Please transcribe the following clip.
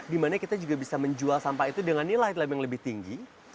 dimana kita juga bisa menjual sampah itu dengan nilai lem yang lebih tinggi